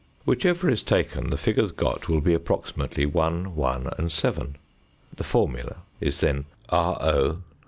Whichever is taken the figures got will be approximately 1, 1 and 7. The formula is then RO.